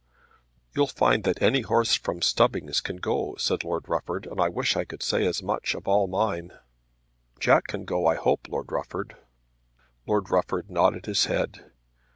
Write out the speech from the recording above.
"You'll find that any horse from Stubbings can go," said Lord Rufford. "I wish I could say as much of all mine." "Jack can go, I hope, Lord Rufford." Lord Rufford nodded his head.